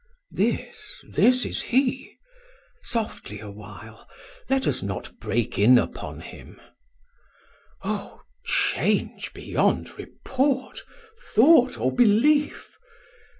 Chor: This, this is he; softly a while, Let us not break in upon him; O change beyond report, thought, or belief!